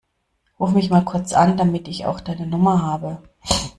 Ruf mich mal kurz an, damit ich auch deine Nummer habe.